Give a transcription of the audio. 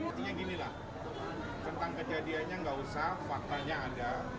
artinya ginilah tentang kejadiannya nggak usah faktanya ada